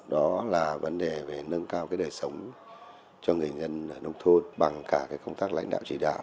đó là vấn đề về nâng cao cái đời sống cho người dân nông thôn bằng cả cái công tác lãnh đạo chỉ đạo